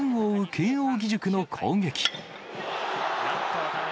慶応義塾の攻撃。